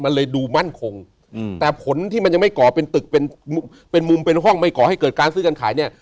มันเลยดูมั่นคงอืมแต่ผลที่มันยังไม่ก่อเป็นตึกเป็นมุมเป็นห้องไม่ก่อให้เกิดการซื้อการขายเนี่ย